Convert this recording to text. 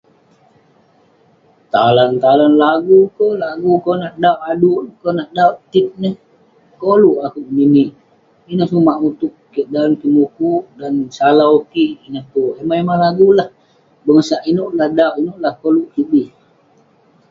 Talan-talan lagu peh, lagu konak dauk aduk neh, konak dauk tit neh. Koluk akouk ninik, ineh sumak utuk kik dan kik mukuk, dan salau kik ineh tue. Emah-emah lagu lah, bengosak inouk lah, dauk ineh lah koluk kik bi.